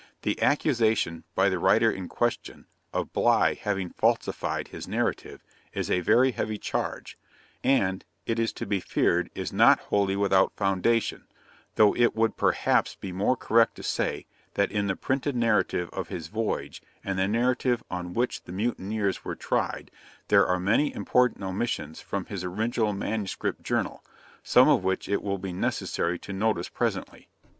The accusation, by the writer in question, of Bligh having falsified his 'narrative,' is a very heavy charge, and, it is to be feared, is not wholly without foundation; though it would perhaps be more correct to say, that in the printed narrative of his voyage, and the narrative on which the mutineers were tried, there are many important omissions from his original manuscript journal, some of which it will be necessary to notice presently.